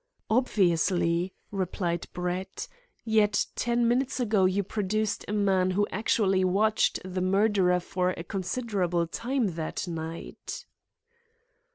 "Obviously," replied Brett; "yet ten minutes ago you produced a man who actually watched the murderer for a considerable time that night."